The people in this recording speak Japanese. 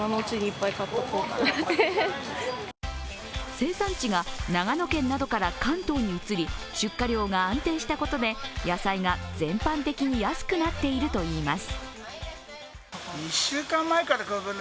生産地が長野県などから関東に移り出荷量が安定したことで、野菜が全般的に安くなっているといいます。